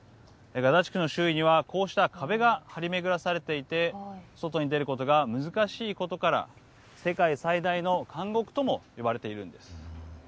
ガザ地区の周囲にはこうした壁が張り巡らされていて外に出ることが難しいことから世界最大の監獄とも呼ばれているんです。